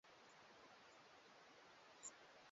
Kugawa sentensi katika kiima na kiarifu